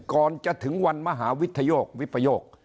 ก่อนจะถึงวันมหาวิทโยกวิปโยค